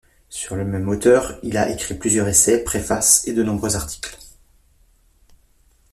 Sur le même auteur, il a écrit plusieurs essais, préfaces et de nombreux articles.